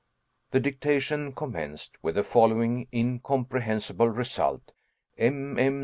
The dictation commenced with the following incomprehensible result: mm.